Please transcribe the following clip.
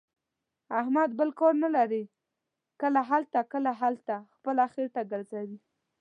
احمد بل کار نه لري. کله هلته، کله هلته، خپله خېټه ګرځوي.